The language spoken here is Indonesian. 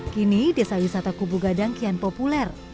kini desa wisata kubu gadang kian populer